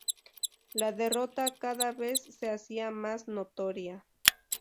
La derrota cada vez se hacía más notoria.